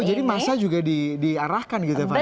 oh jadi masa juga diarahkan gitu fani